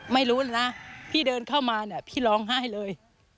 ไม่รู้นะพี่เดินเข้ามาเนี่ยพี่ร้องไห้เลย